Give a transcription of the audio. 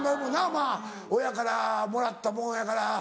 まぁ親からもらったもんやから。